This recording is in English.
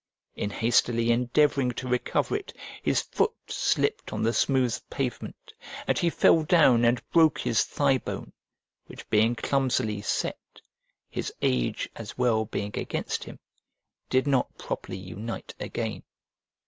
In hastily endeavouring to recover it, his foot slipped on the smooth pavement, and he fell down and broke his thigh bone, which being clumsily set, his age as well being against him, did not properly unite again.